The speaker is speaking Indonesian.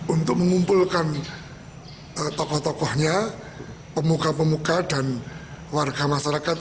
untuk mengumpulkan tokoh tokohnya pemuka pemuka dan warga masyarakat